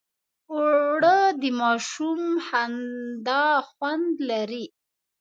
اوړه د ماشوم خندا خوند لري